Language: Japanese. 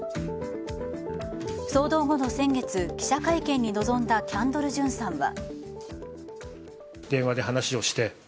騒動後の先月記者会見に臨んだキャンドル・ジュンさんは。